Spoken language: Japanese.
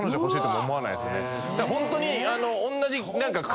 ホントに。